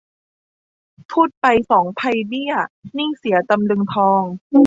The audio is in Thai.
พูดไปสองไพเบี้ย นิ่งเสียตำลึงทอง